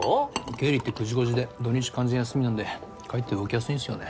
経理って９時５時で土日完全休みなんでかえって動きやすいんすよね。